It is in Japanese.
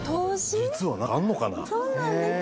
実は何かあるのかな？